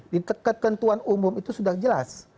di ketentuan umum itu sudah jelas